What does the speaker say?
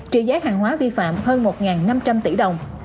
trị giá hàng hóa vi phạm hơn một năm trăm linh tỷ đồng